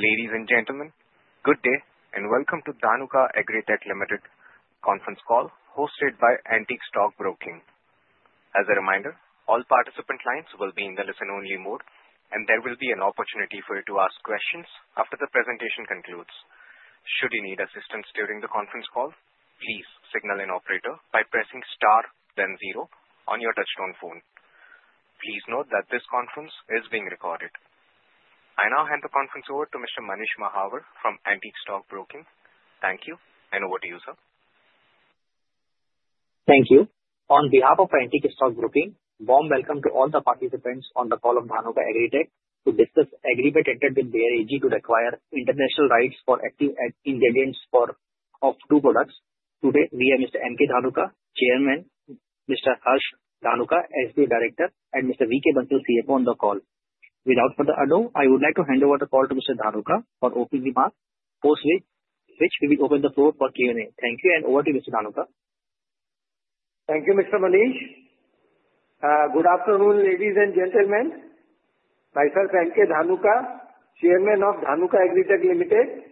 Ladies and gentlemen, good day and welcome to Dhanuka Agritech Limited conference call hosted by Antique Stock Broking. As a reminder, all participant lines will be in the listen-only mode, and there will be an opportunity for you to ask questions after the presentation concludes. Should you need assistance during the conference call, please signal an operator by pressing star, then zero on your touch-tone phone. Please note that this conference is being recorded. I now hand the conference over to Mr. Manish Mahawar from Antique Stock Broking. Thank you, and over to you, sir. Thank you. On behalf of Antique Stock Broking, warm welcome to all the participants on the call of Dhanuka Agritech to discuss acquisition from Bayer AG to acquire international rights for active ingredients for two products. Today, we have Mr. M. K. Dhanuka, Chairman, Mr. Harsh Dhanuka, Executive Director, and Mr. V. K. Bansal, CFO, on the call. Without further ado, I would like to hand over the call to Mr. Dhanuka for opening remarks, post which we will open the floor for Q&A. Thank you, and over to Mr. Dhanuka. Thank you, Mr. Manish. Good afternoon, ladies and gentlemen. Myself, M. K. Dhanuka, Chairman of Dhanuka Agritech Limited.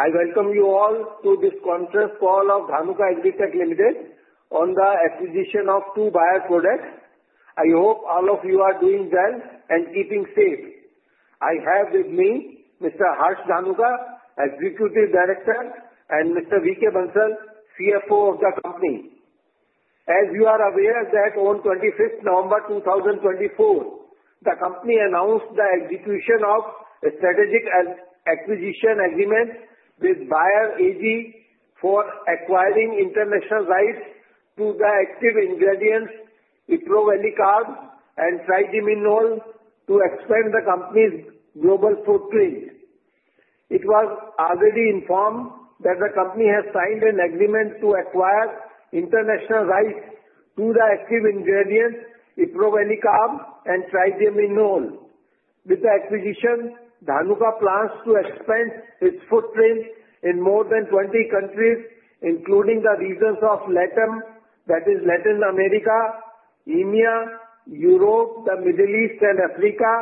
I welcome you all to this conference call of Dhanuka Agritech Limited on the acquisition of two Bayer products. I hope all of you are doing well and keeping safe. I have with me Mr. Harsh Dhanuka, Executive Director, and Mr. V. K. Bansal, CFO of the company. As you are aware, that on 25th November 2024, the company announced the execution of strategic acquisition agreements with Bayer AG for acquiring international rights to the active ingredients Iprovalicarb and Triadimenol to expand the company's global footprint. It was already informed that the company has signed an agreement to acquire international rights to the active ingredients Iprovalicarb and Triadimenol. With the acquisition, Dhanuka plans to expand its footprint in more than 20 countries, including the regions of Latin America, MEA, Europe, the Middle East, and Africa,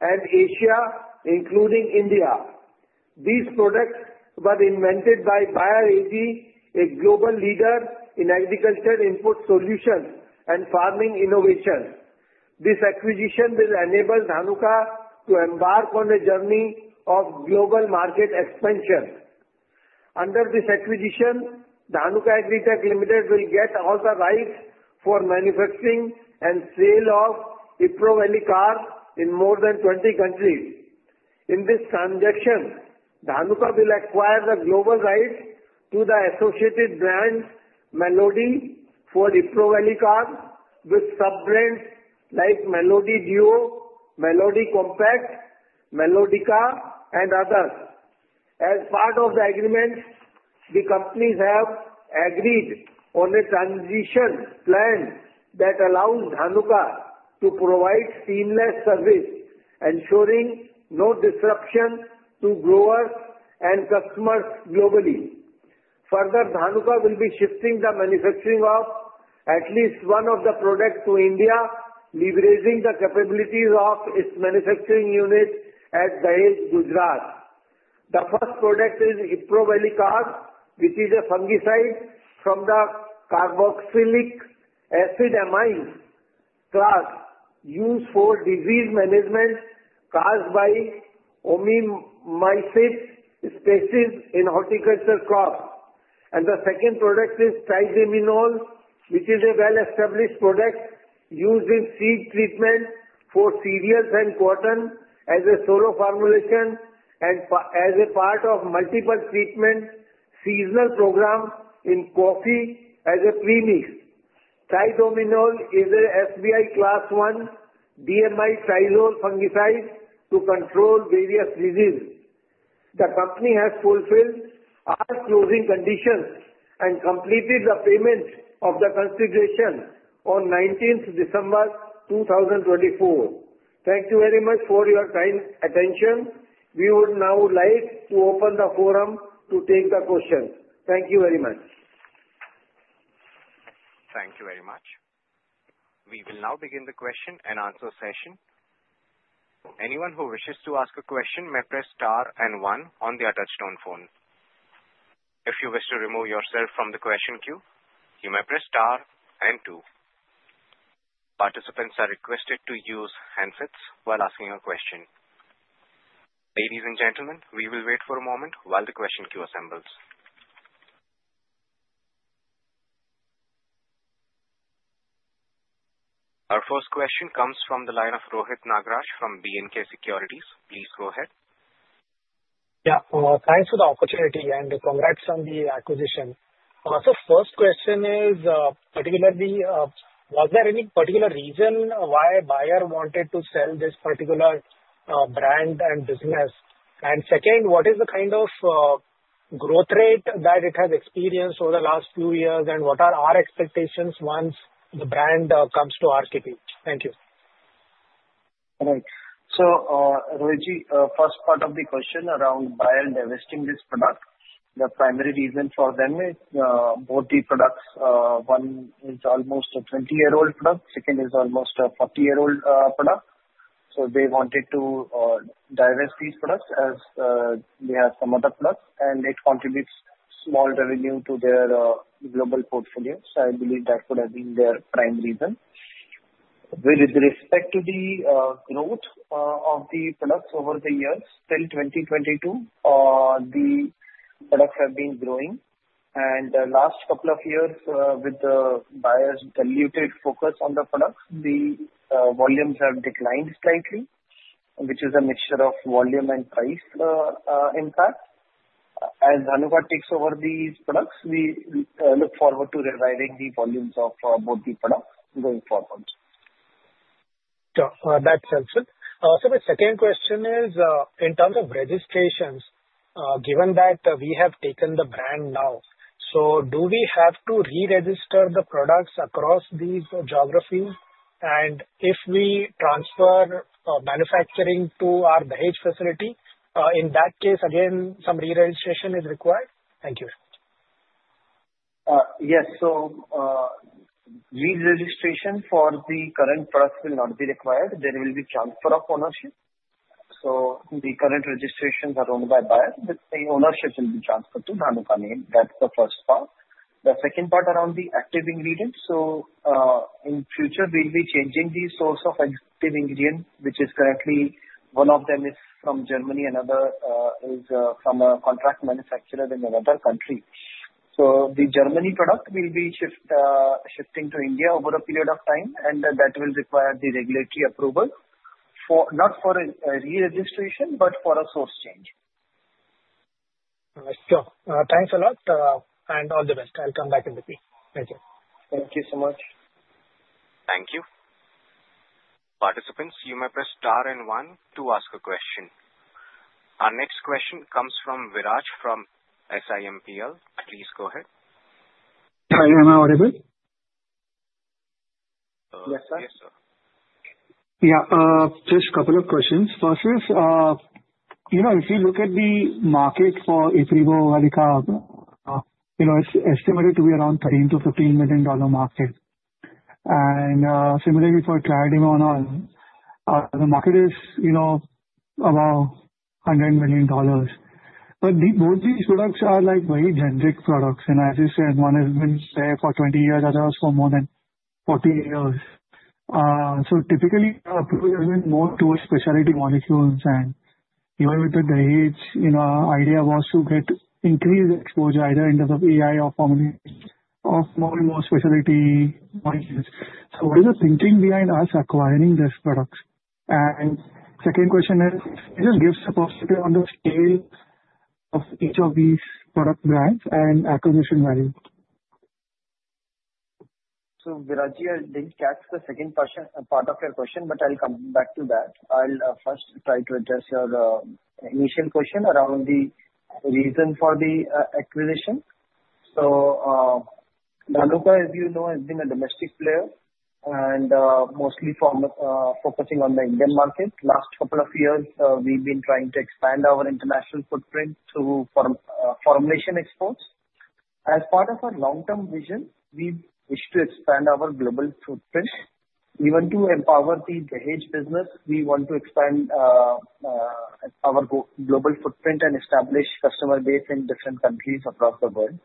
and Asia, including India. These products were invented by Bayer AG, a global leader in agricultural input solutions and farming innovations. This acquisition will enable Dhanuka to embark on a journey of global market expansion. Under this acquisition, Dhanuka Agritech Limited will get all the rights for manufacturing and sale of Iprovalicarb in more than 20 countries. In this transaction, Dhanuka will acquire the global rights to the associated brand Melody for Iprovalicarb, with sub-brands like Melody Duo, Melody Compact, Melodica, and others. As part of the agreement, the companies have agreed on a transition plan that allows Dhanuka to provide seamless service, ensuring no disruption to growers and customers globally. Further, Dhanuka will be shifting the manufacturing of at least one of the products to India, leveraging the capabilities of its manufacturing unit at Dahej, Gujarat. The first product is Iprovalicarb, which is a fungicide from the carboxylic acid amide class used for disease management caused by oomycete species in horticultural crops. The second product is Triadimenol, which is a well-established product used in seed treatment for cereals and cotton as a solo formulation and as a part of multiple treatment seasonal programs in coffee as a premix. Triadimenol is an SBI Class 1 DMI triazole fungicide to control various diseases. The company has fulfilled all closing conditions and completed the payment of the consideration on 19th December 2024. Thank you very much for your attention. We would now like to open the forum to take the questions. Thank you very much. Thank you very much. We will now begin the question and answer session. Anyone who wishes to ask a question may press star and one on their touch-tone phone. If you wish to remove yourself from the question queue, you may press star and two. Participants are requested to use handsets while asking a question. Ladies and gentlemen, we will wait for a moment while the question queue assembles. Our first question comes from the line of Rohit Nagraj from B&K Securities. Please go ahead. Yeah, well, thanks for the opportunity and congrats on the acquisition. So first question is, particularly, was there any particular reason why Bayer wanted to sell this particular brand and business? And second, what is the kind of growth rate that it has experienced over the last few years, and what are our expectations once the brand comes to our kitty? Thank you. All right. So, Rohit ji, first part of the question around Bayer divesting this product, the primary reason for them is both the products, one is almost a 20-year-old product, second is almost a 40-year-old product. So they wanted to divest these products as they have some other products, and it contributes small revenue to their global portfolio. So I believe that would have been their prime reason. With respect to the growth of the products over the years, till 2022, the products have been growing. And the last couple of years, with the Bayer's diluted focus on the products, the volumes have declined slightly, which is a mixture of volume and price impact. As Dhanuka takes over these products, we look forward to reviving the volumes of both the products going forward. That's excellent. So my second question is, in terms of registrations, given that we have taken the brand now, so do we have to re-register the products across these geographies? And if we transfer manufacturing to our Dahej facility, in that case, again, some re-registration is required? Thank you. Yes. So re-registration for the current products will not be required. There will be transfer of ownership. So the current registrations are owned by Bayer, but the ownership will be transferred to Dhanuka name. That's the first part. The second part around the active ingredients, so in future, we'll be changing the source of active ingredients, which is currently one of them is from Germany, another is from a contract manufacturer in another country. So the German product will be shifting to India over a period of time, and that will require the regulatory approval, not for re-registration, but for a source change. Sure. Thanks a lot, and all the best. I'll come back in the queue. Thank you. Thank you so much. Thank you. Participants, you may press star and one to ask a question. Our next question comes from Viraj from SiMPL. Please go ahead. Hi, am I audible? Yes, sir. Yes, sir. Yeah, just a couple of questions. First is, if you look at the market for Iprovalicarb, it's estimated to be around $13-$15 million market. And similarly, for Triadimenol, the market is about $100 million. But both these products are very generic products. And as you said, one has been there for 20 years, others for more than 40 years. So typically, approach has been more towards specialty molecules. And even with the Dahej, the idea was to get increased exposure either in terms of AI or formulation of more and more specialty molecules. So what is the thinking behind us acquiring these products? And second question is, it just gives a perspective on the scale of each of these product brands and acquisition value. So Viraj ji, I'll link that to the second part of your question, but I'll come back to that. I'll first try to address your initial question around the reason for the acquisition. So Dhanuka, as you know, has been a domestic player and mostly focusing on the Indian market. Last couple of years, we've been trying to expand our international footprint through formulation exports. As part of our long-term vision, we wish to expand our global footprint. Even to empower the Dahej business, we want to expand our global footprint and establish a customer base in different countries across the world.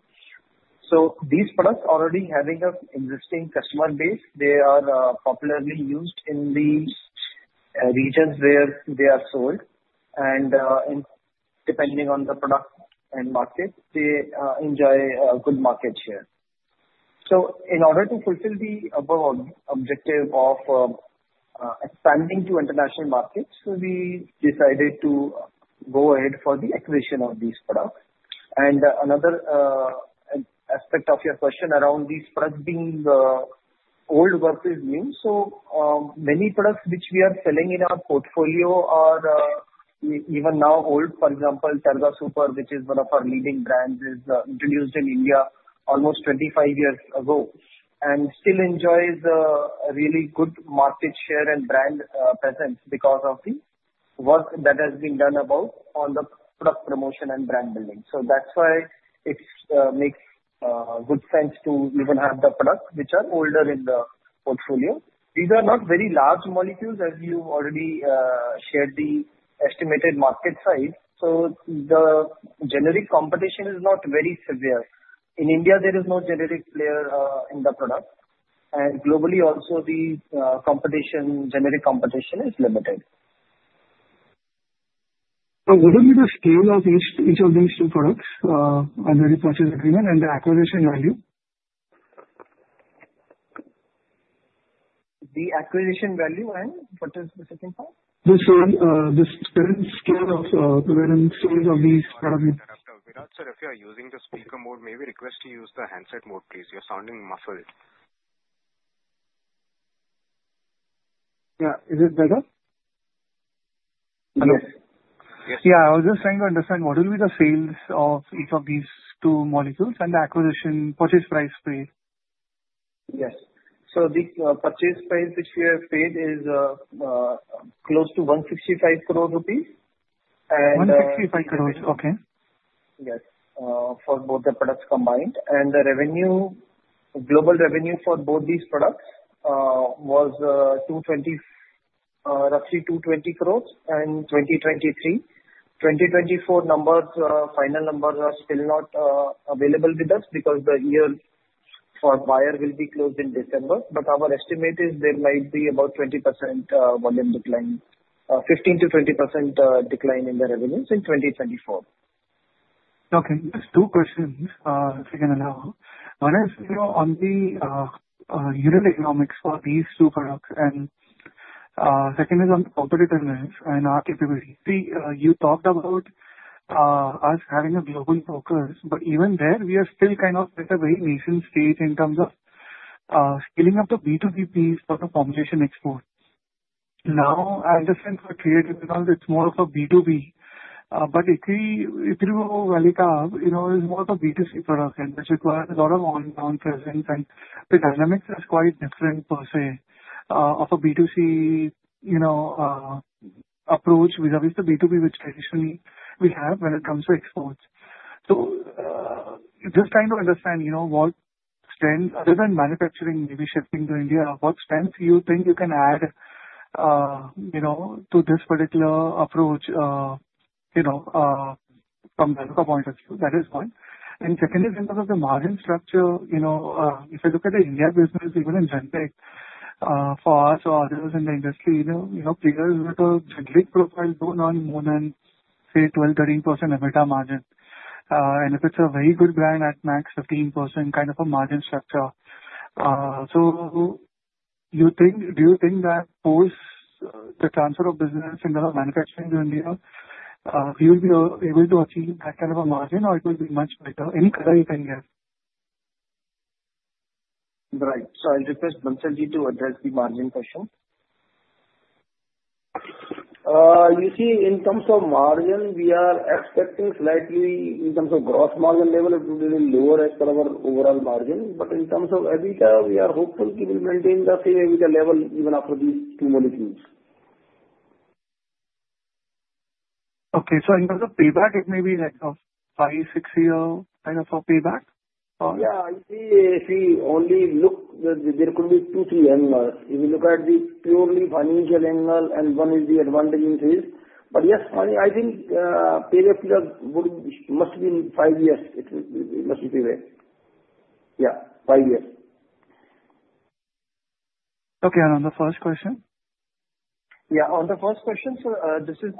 So these products, already having an existing customer base, they are popularly used in the regions where they are sold. And depending on the product and market, they enjoy a good market share. So in order to fulfill the above objective of expanding to international markets, we decided to go ahead for the acquisition of these products. And another aspect of your question around these products being old versus new, so many products which we are selling in our portfolio are even now old. For example, Targa Super, which is one of our leading brands, was introduced in India almost 25 years ago and still enjoys a really good market share and brand presence because of the work that has been done on the product promotion and brand building. So that's why it makes good sense to even have the products which are older in the portfolio. These are not very large molecules, as you already shared the estimated market size. So the generic competition is not very severe. In India, there is no generic player in the product. Globally, also, the generic competition is limited. So what would be the scale of each of these two products under the purchase agreement and the acquisition value? The acquisition value and what is the second part? The scale of these products. We're not set up here. Using the speaker mode, may we request to use the handset mode, please? You're sounding muffled. Yeah. Is it better? Yes. Yes. Yeah. I was just trying to understand what would be the sales of each of these two molecules and the acquisition purchase price paid? Yes, so the purchase price which we have paid is close to 165 crore rupees. 165 crore. Okay. Yes, for both the products combined. And the global revenue for both these products was roughly ₹220 crore in 2023. 2024 numbers, final numbers are still not available with us because the year for Bayer will be closed in December. But our estimate is there might be about 20% volume decline, 15%-20% decline in the revenues in 2024. Okay. Two questions, if you can allow. One is on the unit economics for these two products, and second is on the competitiveness and our capability. You talked about us having a global focus, but even there, we are still kind of at a very nascent stage in terms of scaling up the B2B piece for the formulation export. Now, I understand for trade, it's more of a B2B. But Iprovalicarb is more of a B2C product, which requires a lot of on-ground presence, and the dynamics are quite different per se of a B2C approach vis-à-vis the B2B, which traditionally we have when it comes to exports. So just trying to understand what strengths, other than manufacturing, maybe shipping to India, what strengths you think you can add to this particular approach from Dhanuka point of view. That is one. And second is in terms of the margin structure. If you look at the India business, even in generics, for us or others in the industry, players with a generic profile going on more than, say, 12%-13% EBITDA margin, and if it's a very good brand at max 15% kind of a margin structure. So do you think that post the transfer of business in terms of manufacturing to India, we will be able to achieve that kind of a margin, or it will be much better? Any color you can give. Right. So I'll request Dhanuka ji to address the margin question. You see, in terms of margin, we are expecting slightly in terms of gross margin level, it will be lower as per our overall margin. But in terms of EBITDA, we are hopeful to maintain the same EBITDA level even after these two molecules. Okay. So in terms of payback, it may be like a five, six-year kind of a payback? Yeah. If you only look, there could be two, three angles. If you look at the purely financial angle, and one is the advantaging phase. But yes, I think payback must be in five years. It must be there. Yeah, five years. Okay. On the first question. Yeah. On the first question, so this is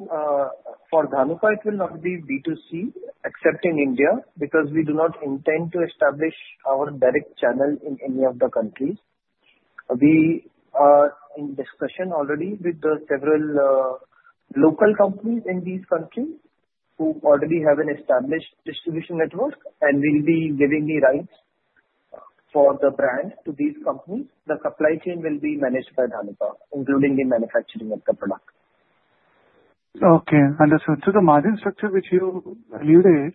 for Dhanuka, it will not be B2C, except in India, because we do not intend to establish our direct channel in any of the countries. We are in discussion already with several local companies in these countries who already have an established distribution network, and we'll be giving the rights for the brand to these companies. The supply chain will be managed by Dhanuka, including the manufacturing of the product. Okay. Understood. So the margin structure which you alluded,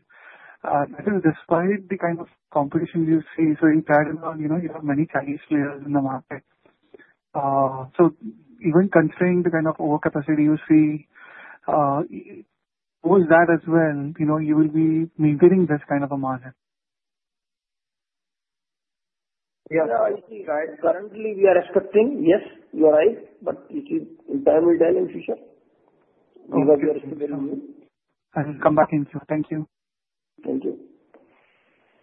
I think despite the kind of competition you see, so in Triadimenol, you have many Chinese players in the market. So even considering the kind of overcapacity you see, post that as well, you will be maintaining this kind of a margin. Yeah. Currently, we are expecting, yes, you're right. But in time, we'll tell in the future. Okay. I'll come back in. Thank you. Thank you.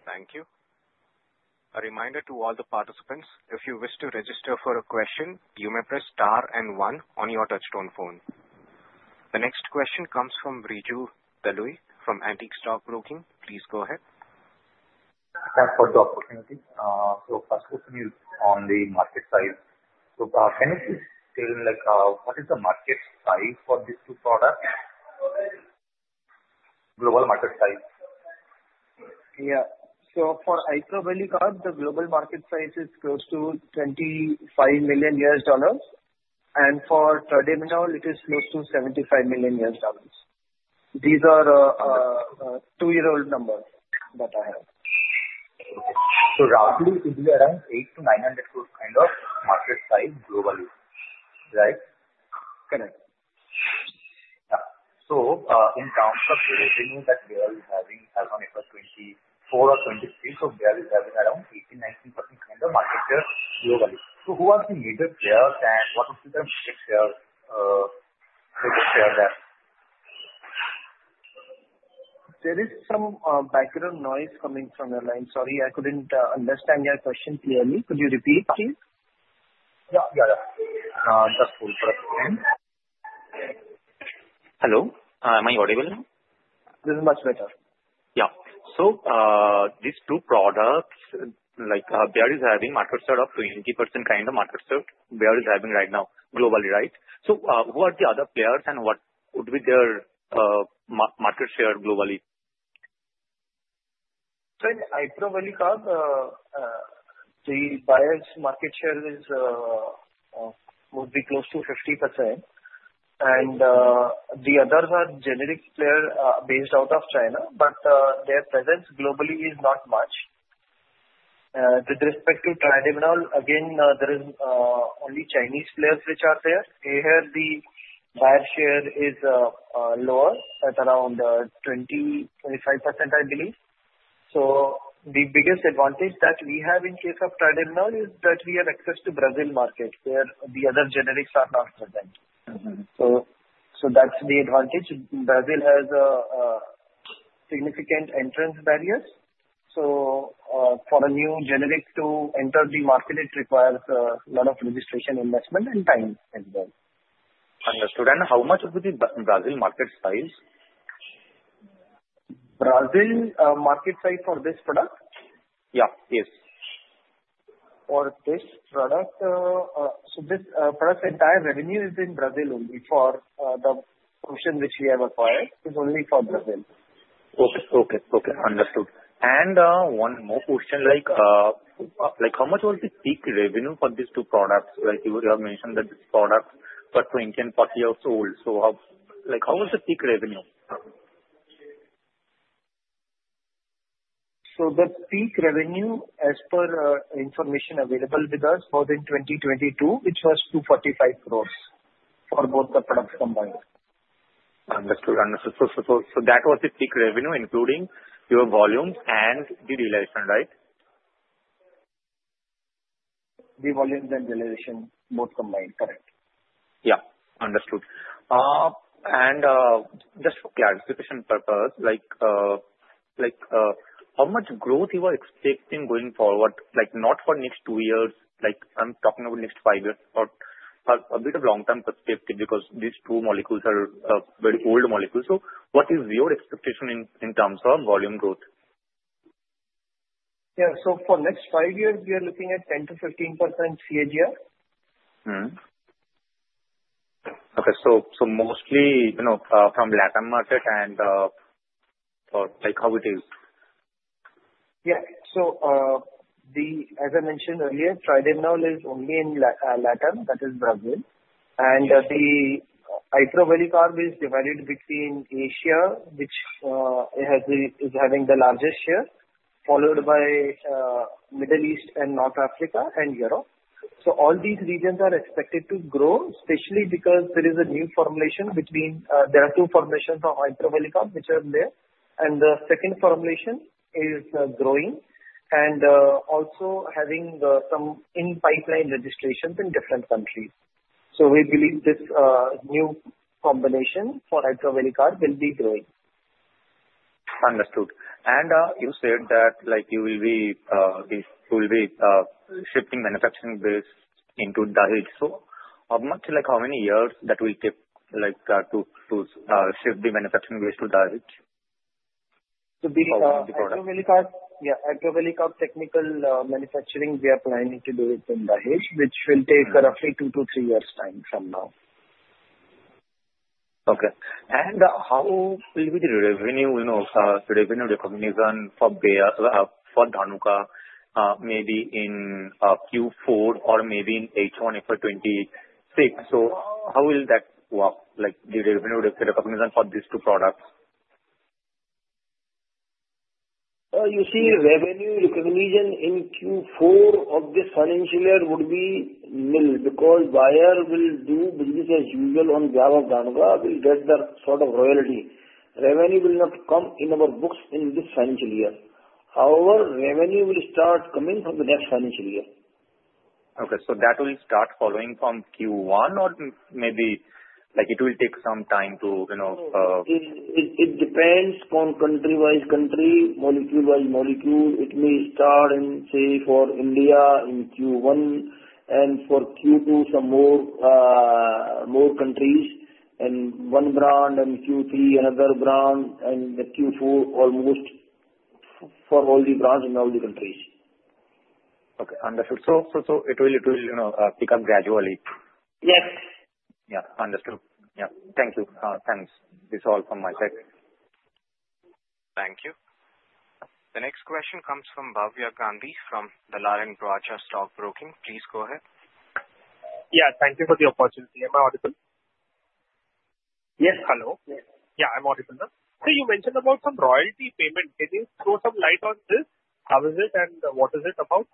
Thank you. A reminder to all the participants, if you wish to register for a question, you may press star and one on your touch-tone phone. The next question comes from Mradul Maheshwari from Antique Stock Broking. Please go ahead. Thanks for the opportunity. So first question is on the market size. So can you please tell me what is the market size for these two products? Global market size. Yeah, so for Iprovalicarb, the global market size is close to $25 million, and for Triadimenol, it is close to $75 million. These are two-year-old numbers that I have. So roughly, it will be around 8 crore to 900 crore kind of market size globally, right? Correct. Yeah. So in terms of revenue that Bayer is having, as of 2024 or 2025, so Bayer is having around 18%-19% kind of market share globally. So who are the major players, and what would be the market share there? There is some background noise coming from the line. Sorry, I couldn't understand your question clearly. Could you repeat, please? Yeah. Yeah. Yeah. Just hold for a second. Hello? Am I audible now? This is much better. Yeah. So these two products, like Bayer is having market share of 20% kind of right now globally, right? So who are the other players, and what would be their market share globally? So in Iprovalicarb, the Bayer's market share would be close to 50%. And the others are generic players based out of China, but their presence globally is not much. With respect to Triadimenol, again, there are only Chinese players which are there. Here, the Bayer share is lower at around 20-25%, I believe. So the biggest advantage that we have in case of Triadimenol is that we have access to Brazil market, where the other generics are not present. So that's the advantage. Brazil has significant entry barriers. So for a new generic to enter the market, it requires a lot of registration investment and time as well. Understood. And how much would be the Brazil market size? Brazil market size for this product? Yeah. Yes. For this product, so this product's entire revenue is in Brazil only. For the portion which we have acquired, it's only for Brazil. Okay. Understood. And one more question. How much was the peak revenue for these two products? You have mentioned that these products are 20 and 40 years old. So how was the peak revenue? The peak revenue, as per information available with us, was in 2022, which was 245 crore for both the products combined. Understood. Understood. So that was the peak revenue, including your volume and the realization, right? The volume and realization, both combined. Correct. Yeah. Understood. And just for clarification purpose, how much growth you are expecting going forward, not for next two years, I'm talking about next five years, but a bit of long-term perspective because these two molecules are very old molecules? So what is your expectation in terms of volume growth? Yeah. So for next five years, we are looking at 10%-15% CAGR. Okay, so mostly from Latin market and how it is? Yeah. So as I mentioned earlier, Triadimenol is only in Latin America, that is Brazil. And the Iprovalicarb is divided between Asia, which is having the largest share, followed by Middle East and North Africa and Europe. So all these regions are expected to grow, especially because there is a new formulation between there are two formulations of Iprovalicarb, which are there. And the second formulation is growing and also having some in-pipeline registrations in different countries. So we believe this new combination for Iprovalicarb will be growing. Understood. And you said that you will be shifting manufacturing base into Dahej. So how many years that will take to shift the manufacturing base to Dahej? Iprovalicarb, yeah, Iprovalicarb technical manufacturing, we are planning to do it in Dahej, which will take roughly two to three years' time from now. Okay. And how will be the revenue recognition for Dhanuka maybe in Q4 or maybe in H1 for 2026? So how will that work, the revenue recognition for these two products? You see, revenue recognition in Q4 of this financial year would be nil because Bayer will do business as usual on behalf of Dhanuka, will get the sort of royalty. Revenue will not come in our books in this financial year. However, revenue will start coming from the next financial year. Okay. So that will start following from Q1, or maybe it will take some time to? It depends on country-wise country, molecule-wise molecule. It may start in, say, for India in Q1, and for Q2, some more countries, and one brand in Q3, another brand, and Q4 almost for all the brands in all the countries. Okay. Understood. So it will pick up gradually. Yes. Yeah. Understood. Yeah. Thank you. Thanks. This is all from my side. Thank you. The next question comes from Bhavya Gandhi from Dalal & Broacha Stock Broking. Please go ahead. Yeah. Thank you for the opportunity. Am I audible? Yes. Hello. Yeah. I'm audible. So you mentioned about some royalty payment. Can you throw some light on this? How is it, and what is it about?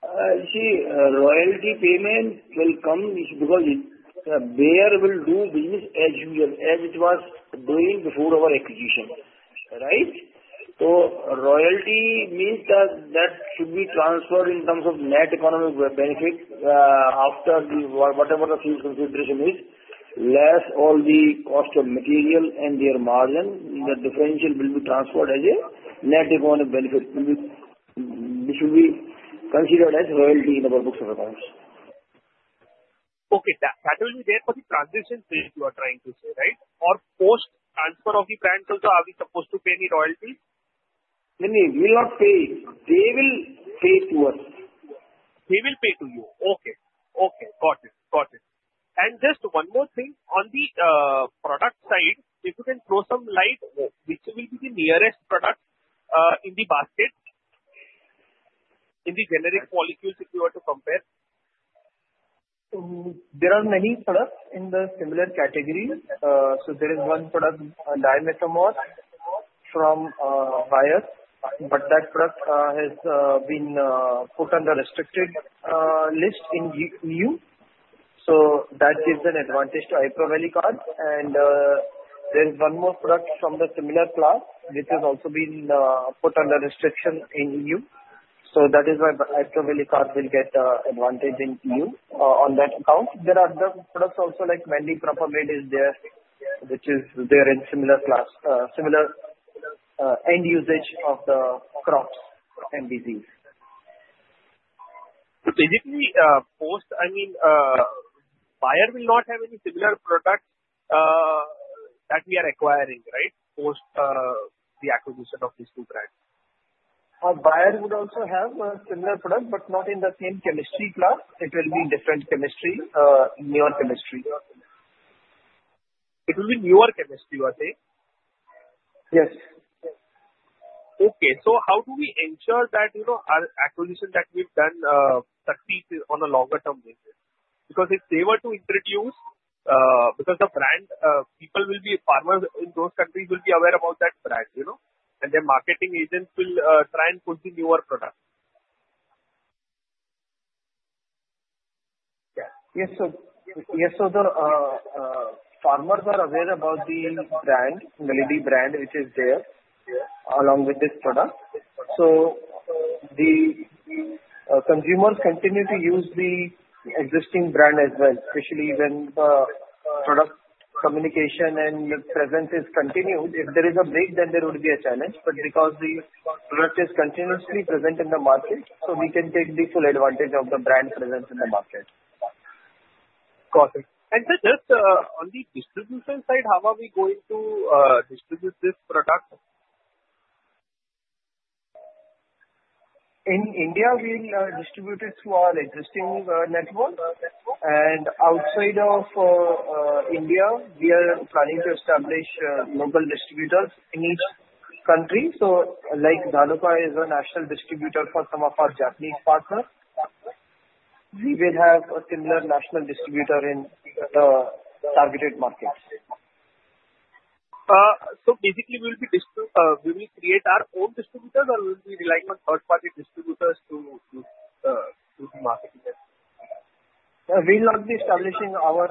You see, royalty payment will come because Bayer will do business as usual, as it was doing before our acquisition, right? So royalty means that should be transferred in terms of net economic benefit after whatever the field consideration is, less all the cost of material and their margin. The differential will be transferred as a net economic benefit. It should be considered as royalty in our books of accounts. Okay. That will be there for the transition phase you are trying to say, right? Or post transfer of the brand, so are we supposed to pay any royalties? No, no. We will not pay. They will pay to us. They will pay to you. Okay. Got it. And just one more thing. On the product side, if you can throw some light, which will be the nearest product in the basket in the generic molecules if you were to compare? There are many products in the similar category, so there is one product, Dimethomorph, from Bayer, but that product has been put on the restricted list in EU, so that gives an advantage to Iprovalicarb, and there is one more product from the similar class, which has also been put under restriction in EU, so that is why Iprovalicarb will get advantage in EU on that account. There are other products also, like Mandipropamid is there, which is there in similar class, similar end usage of the crops and disease. So basically, post, I mean, Bayer will not have any similar products that we are acquiring, right, post the acquisition of these two brands? Bayer would also have a similar product, but not in the same chemistry class. It will be different chemistry, newer chemistry. It will be newer chemistry, you are saying? Yes. Okay, so how do we ensure that our acquisition that we've done succeeds on a longer-term basis? Because if they were to introduce, because the brand, people will be farmers in those countries will be aware about that brand, and their marketing agents will try and put the newer product. Yes, so the farmers are aware about the brand, the Melody brand, which is there along with this product. So the consumers continue to use the existing brand as well, especially when the product communication and the presence is continued. If there is a break, then there would be a challenge, but because the product is continuously present in the market, so we can take the full advantage of the brand presence in the market. Got it. And just on the distribution side, how are we going to distribute this product? In India, we will distribute it to our existing network, and outside of India, we are planning to establish local distributors in each country, so Dhanuka is a national distributor for some of our Japanese partners. We will have a similar national distributor in the targeted markets. So basically, we will create our own distributors, or will we rely on third-party distributors to do the marketing? We will not be establishing our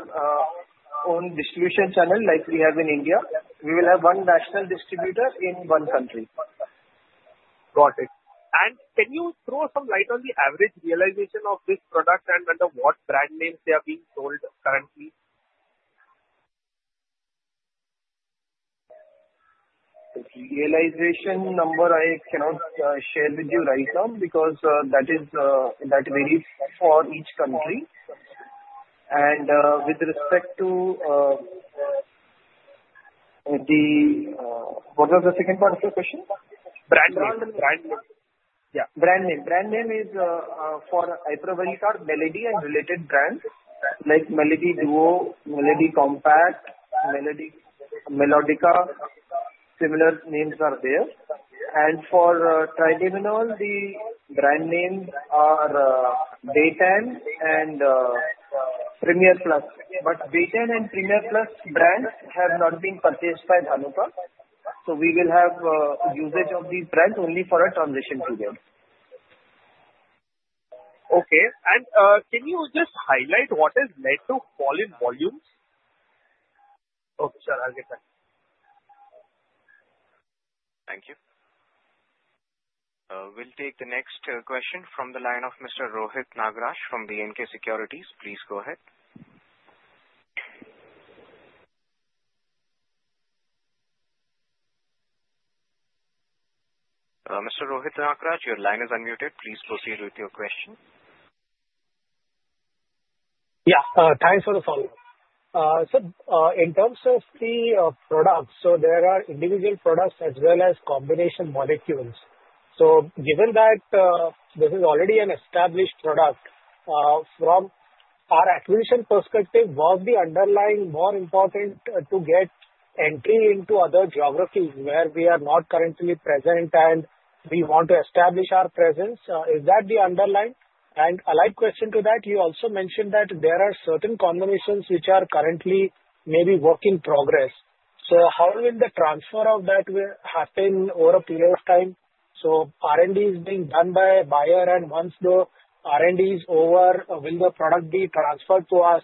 own distribution channel like we have in India. We will have one national distributor in one country. Got it. And can you throw some light on the average realization of this product and under what brand names they are being sold currently? Realization number I cannot share with you right now because that varies for each country. And with respect to what was the second part of your question? Brand name. Yeah. Brand name. Brand name is for Iprovalicarb, Melody, and related brands like Melody Duo, Melody Compact, Melodica, similar names are there. And for Triadimenol, the brand names are Baytan and Premier Plus. But Baytan and Premier Plus brands have not been purchased by Dhanuka. So we will have usage of these brands only for a transition period. Okay. And can you just highlight what has led to fall in volumes? Okay. Sure. I'll get that. Thank you. We'll take the next question from the line of Mr. Rohit Nagraj from B&K Securities. Please go ahead. Mr. Rohit Nagraj, your line is unmuted. Please proceed with your question. Yeah. Thanks for the follow-up. So in terms of the products, so there are individual products as well as combination molecules. So given that this is already an established product, from our acquisition perspective, was the underlying more important to get entry into other geographies where we are not currently present and we want to establish our presence? Is that the underlying? And a light question to that, you also mentioned that there are certain combinations which are currently maybe work in progress. So how will the transfer of that happen over a period of time? So R&D is being done by Bayer, and once the R&D is over, will the product be transferred to us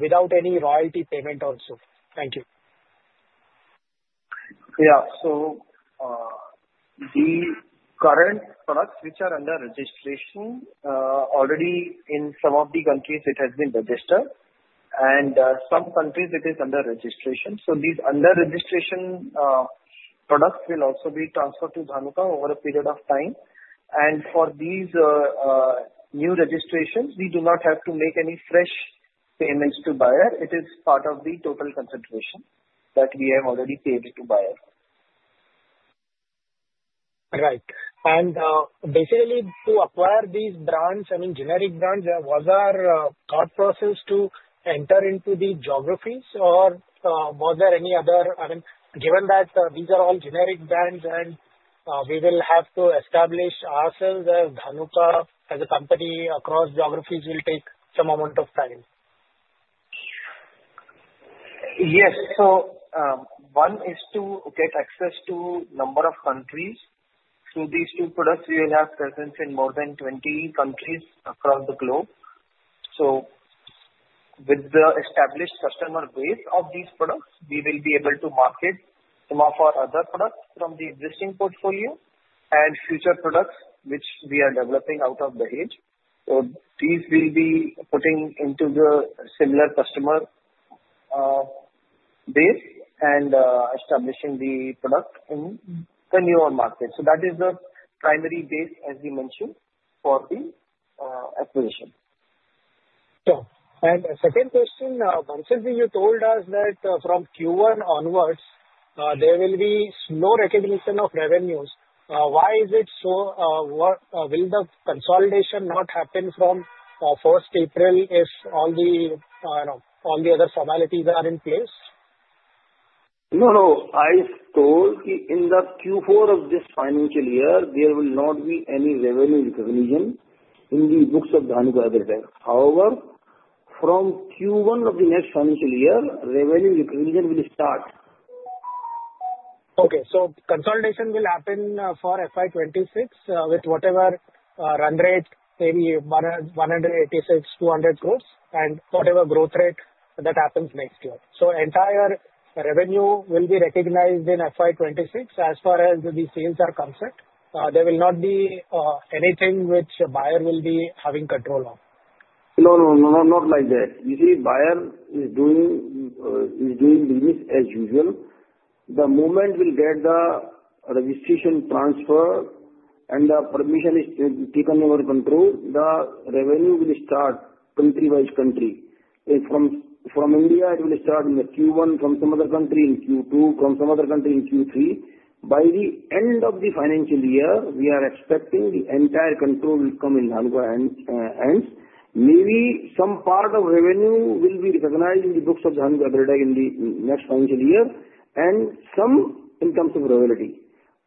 without any royalty payment also? Thank you. Yeah. So the current products which are under registration, already in some of the countries, it has been registered. And some countries, it is under registration. So these under registration products will also be transferred to Dhanuka over a period of time. And for these new registrations, we do not have to make any fresh payments to Bayer. It is part of the total consideration that we have already paid to Bayer. Right. And basically, to acquire these brands, I mean, generic brands, was there a thought process to enter into the geographies, or was there any other? I mean, given that these are all generic brands and we will have to establish ourselves as Dhanuka as a company across geographies, will take some amount of time? Yes. So one is to get access to a number of countries. So these two products, we will have presence in more than 20 countries across the globe. So with the established customer base of these products, we will be able to market some of our other products from the existing portfolio and future products which we are developing out of Dahej. So these will be put into the similar customer base and establishing the product in the newer market. So that is the primary base, as you mentioned, for the acquisition. Sure. And second question, Bansal, you told us that from Q1 onwards, there will be slow recognition of revenues. Why is it so? Will the consolidation not happen from 1st April if all the other formalities are in place? No, no. I told you in the Q4 of this financial year, there will not be any revenue recognition in the books of Dhanuka as well. However, from Q1 of the next financial year, revenue recognition will start. Okay. So consolidation will happen for FY26 with whatever run rate, maybe 186 crore-200 crore, and whatever growth rate that happens next year. So entire revenue will be recognized in FY26 as far as the sales are concerned. There will not be anything which Bayer will be having control of. No, no, no. Not like that. You see, Bayer is doing business as usual. The moment we get the registration transfer and the permission is taken over control, the revenue will start country-wise country. From India, it will start in Q1, from some other country in Q2, from some other country in Q3. By the end of the financial year, we are expecting the entire control will come in Dhanuka hands. Maybe some part of revenue will be recognized in the books of Dhanuka in the next financial year and some in terms of royalty.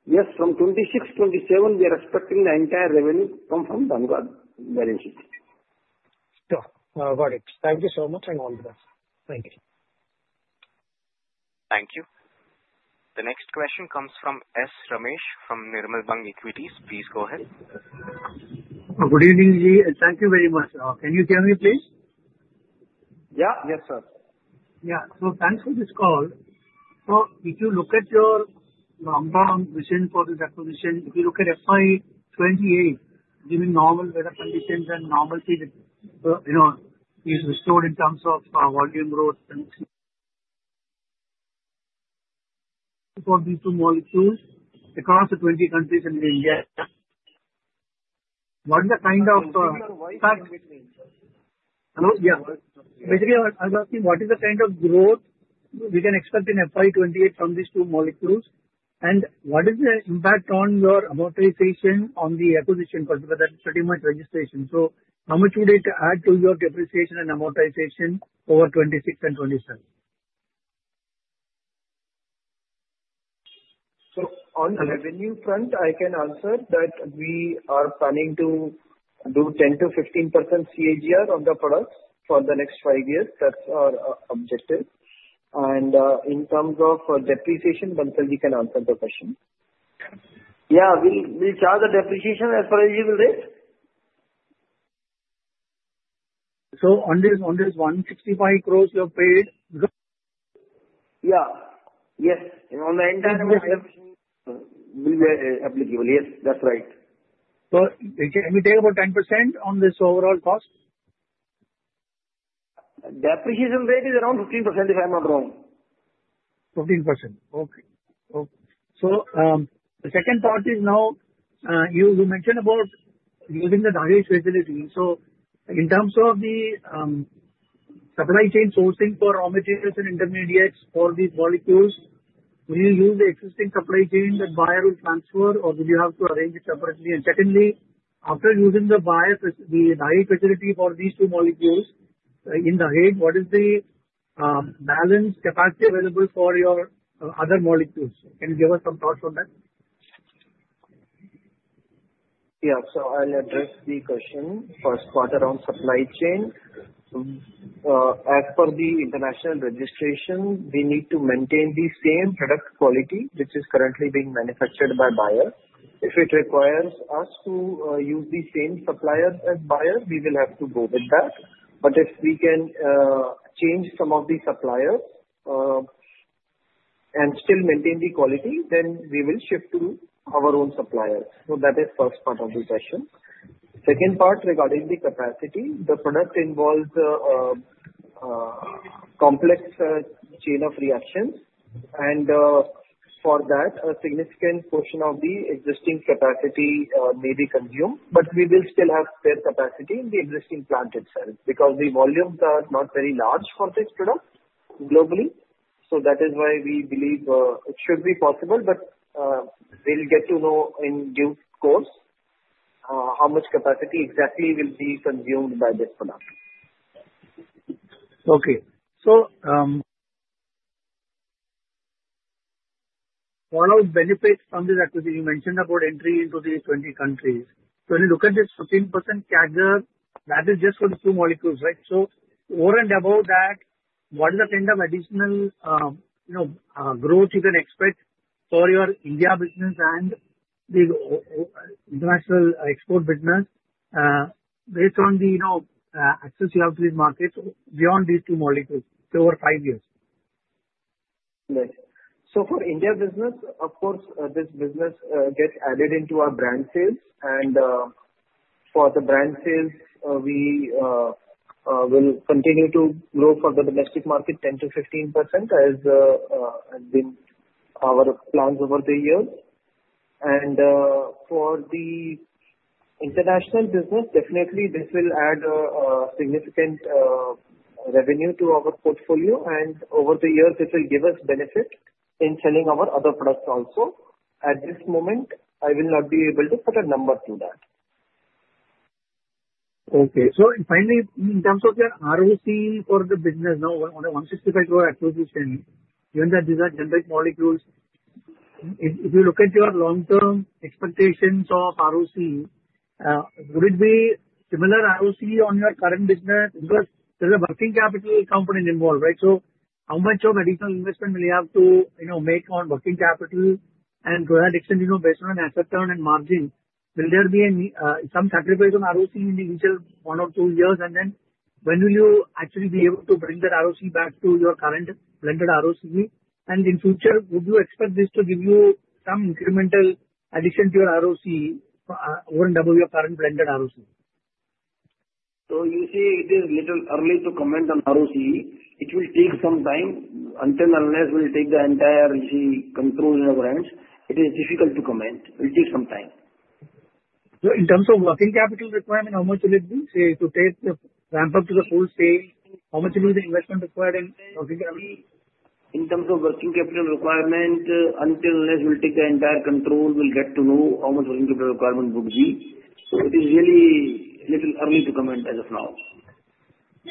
Yes, from 2026, 2027, we are expecting the entire revenue to come from Dhanuka balance sheet. Sure. Got it. Thank you so much and all the best. Thank you. Thank you. The next question comes from S. Ramesh from Nirmal Bang Equities. Please go ahead. Good evening, G. Thank you very much. Can you hear me, please? Yeah. Yes, sir. Yeah. So thanks for this call. So if you look at your long-term vision for this acquisition, if you look at FY28, given normal weather conditions and normal period, it is restored in terms of volume growth for these two molecules across the 20 countries and India. What is the kind of impact? Basically, what is the kind of growth we can expect in FY28 from these two molecules? And what is the impact on your amortization on the acquisition? That is pretty much registration. So how much would it add to your depreciation and amortization over 26 and 27? On the revenue front, I can answer that we are planning to do 10%-15% CAGR on the products for the next five years. That's our objective. In terms of depreciation, V. K. Bansal, you can answer the question. Yeah. We'll charge the depreciation as per your rate? So on this 165 crores you have paid? Yeah. Yes. On the entire. Will be applicable. Yes. That's right. So it will take about 10% on this overall cost? Depreciation rate is around 15% if I'm not wrong. 15%. Okay. Okay. So the second part is now you mentioned about using the Dahej facility. So in terms of the supply chain sourcing for raw materials and intermediates for these molecules, will you use the existing supply chain that Bayer will transfer, or would you have to arrange it separately? And secondly, after using the Dahej facility for these two molecules in Dahej, what is the balance capacity available for your other molecules? Can you give us some thoughts on that? Yeah. So I'll address the question first part around supply chain. As per the international registration, we need to maintain the same product quality which is currently being manufactured by Bayer. If it requires us to use the same suppliers as Bayer, we will have to go with that. But if we can change some of the suppliers and still maintain the quality, then we will shift to our own suppliers. So that is the first part of the question. Second part regarding the capacity, the product involves a complex chain of reactions. And for that, a significant portion of the existing capacity may be consumed, but we will still have spare capacity in the existing plant itself because the volumes are not very large for this product globally. So that is why we believe it should be possible, but we'll get to know in due course how much capacity exactly will be consumed by this product. Okay. So one of the benefits from this acquisition, you mentioned about entry into these 20 countries. So when you look at this 15% CAGR, that is just for the two molecules, right? So over and above that, what is the kind of additional growth you can expect for your India business and the international export business based on the access you have to these markets beyond these two molecules over five years? Right, so for India business, of course, this business gets added into our brand sales, and for the brand sales, we will continue to grow for the domestic market 10%-15% as has been our plans over the years, and for the international business, definitely, this will add a significant revenue to our portfolio, and over the years, it will give us benefit in selling our other products also. At this moment, I will not be able to put a number to that. Okay. So finally, in terms of your ROCE for the business, now on a 165 crore acquisition, given that these are generic molecules, if you look at your long-term expectations of ROCE, would it be similar ROCE on your current business? Because there's a working capital component involved, right? So how much of additional investment will you have to make on working capital? And to that extent, based on an asset turn and margin, will there be some sacrifice on ROCE in the initial one or two years? And then when will you actually be able to bring that ROCE back to your current blended ROCE? And in future, would you expect this to give you some incremental addition to your ROCE over and above your current blended ROCE? So you see, it is a little early to comment on ROCE. It will take some time until and unless will take the entire control in the brands. It is difficult to comment. It will take some time. In terms of working capital requirement, how much will it be? Say to ramp up to the full scale, how much will be the investment required in working capital? In terms of working capital requirement, until unless will take the entire control, we'll get to know how much working capital requirement would be. So it is really a little early to comment as of now.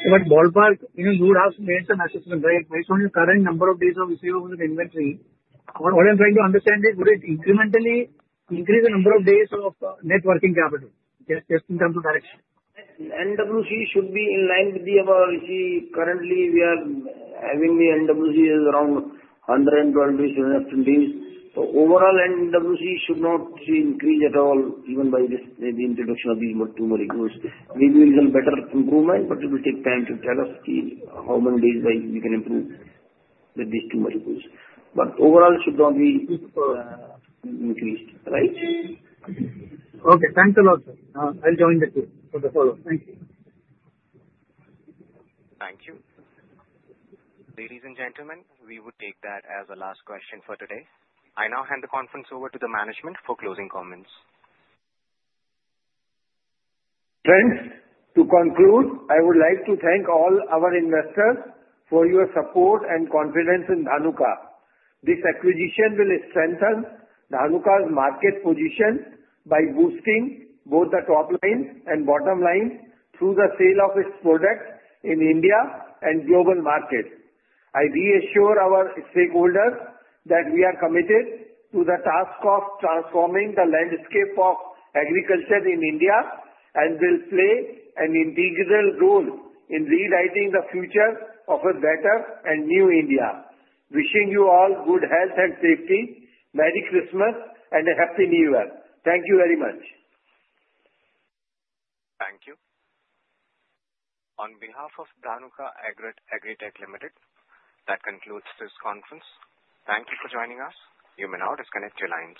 But ballpark, you would have made some assessment, right? Based on your current number of days of receivables in the inventory, what I'm trying to understand is, would it incrementally increase the number of days of net working capital just in terms of direction? NWC should be in line with our currently we are having the NWC is around 112-120 days. So overall, NWC should not increase at all, even by the introduction of these two molecules. Maybe it will be a better improvement, but it will take time to tell us how many days we can improve with these two molecules. But overall, it should not be increased, right? Okay. Thanks a lot, sir. I'll join the team for the follow-up. Thank you. Thank you. Ladies and gentlemen, we will take that as a last question for today. I now hand the conference over to the management for closing comments. Friends, to conclude, I would like to thank all our investors for your support and confidence in Dhanuka. This acquisition will strengthen Dhanuka's market position by boosting both the top line and bottom line through the sale of its products in India and global markets. I reassure our stakeholders that we are committed to the task of transforming the landscape of agriculture in India and will play an integral role in rewriting the future of a better and new India. Wishing you all good health and safety, Merry Christmas, and a Happy New Year. Thank you very much. Thank you. On behalf of Dhanuka Agritech Limited, that concludes this conference. Thank you for joining us. You may now disconnect your lines.